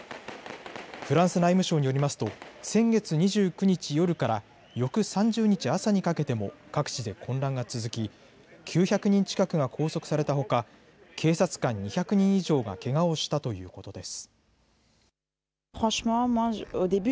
フランス内務省によりますと先月２９日夜から翌３０日朝にかけても各地で混乱が続き９００人近くが拘束されたほか警察官２００人以上がけがをしたということです。